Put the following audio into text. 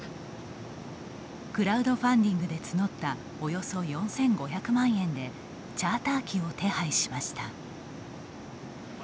クラウドファンディングで募ったおよそ４５００万円でチャーター機を手配しました。